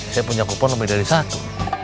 saya punya kupon lebih dari satu